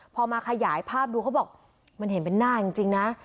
พอมาขยายภาพดูเขาบอกมันเห็นเป็นหน้าจริงนะ